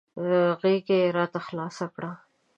غېږه یې راته خلاصه کړه .